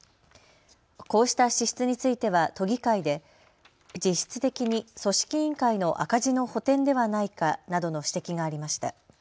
こうした支出については都議会で実質的に組織委員会の赤字の補填ではないかなどの指摘がありました。